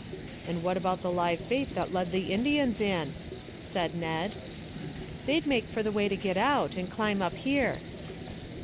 "And what about the live bait that led the Indians in?" said Ned. "They'd make for the way to get out, and climb up here."